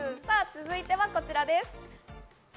続いてはこちらです。